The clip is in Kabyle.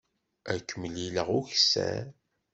Ad k-mlileɣ ukessar.